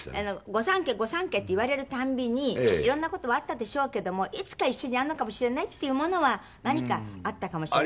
御三家御三家って言われる度に色んな事はあったでしょうけどもいつか一緒にやるのかもしれないっていうものは何かあったかもしれません。